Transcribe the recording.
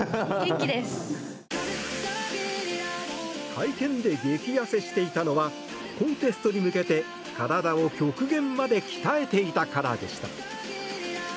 会見で激痩せしていたのはコンテストに向けて体を極限まで鍛えていたからでした。